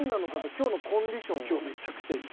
今日めちゃくちゃいい。